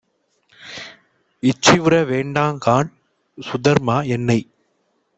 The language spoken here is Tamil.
இச்சையுற வேண்டாங்காண் சுதர்மா. என்னைப்